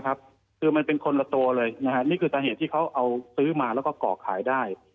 คือมันเป็นคนละตัวเลยนี่คือสาเหตุที่เขาเอาซื้อมาแล้วก็ก่อขายได้